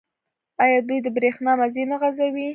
آیا دوی د بریښنا مزي نه غځوي؟